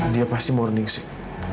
dia pasti mau ningsik